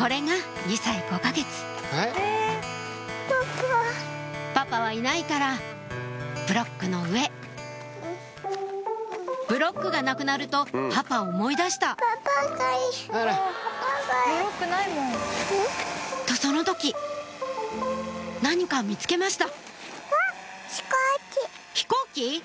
これが２歳５か月パパはいないからブロックの上ブロックがなくなるとパパ思い出したん？とその時何か見つけました飛行機？